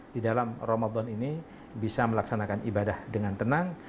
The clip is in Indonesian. di dalam ramadan ini bisa melaksanakan ibadah dengan tenang